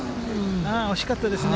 ああ、惜しかったですね。